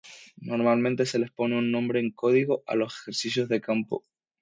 Normalmente se les pone un nombre en código a los ejercicios de campo.